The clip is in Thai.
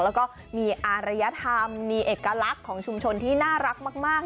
แล้วก็มีอารยธรรมมีเอกลักษณ์ของชุมชนที่น่ารักมาก